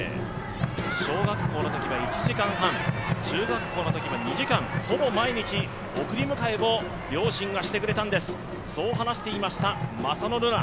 小学校のときは１時間半中学校のときは２時間ほぼ毎日、送り迎えを両親がしてくれたんです、そう話していました、正野瑠菜。